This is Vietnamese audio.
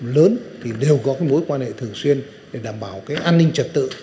lớn thì đều có mối quan hệ thường xuyên để đảm bảo an ninh trật tự